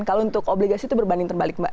kalau untuk obligasi itu berbanding terbalik mbak